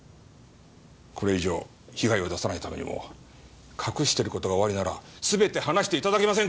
これ以上被害を出さないためにも隠してる事がおありなら全て話して頂けませんか？